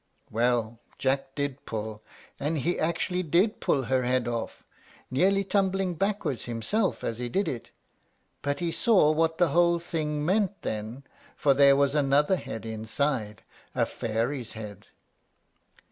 Well, Jack did pull, and he actually did pull her head off! nearly tumbling backward himself as he did it; but he saw what the whole thing meant then, for there was another head inside, a fairy's head.